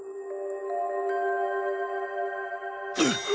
うっ！